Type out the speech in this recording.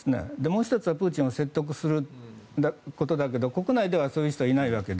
もう１つ、プーチンを説得することだけど国内にはそういう人はいなくて。